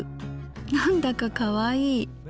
なんだかかわいい。